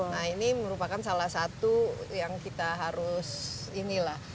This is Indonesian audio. nah ini merupakan salah satu yang kita harus inilah